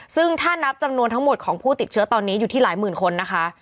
ซึ่งถ้านับจำนวนทั้งหมดของผู้ติดเชื้อตอนนี้อยู่ที่หลายหมื่นคนนะคะ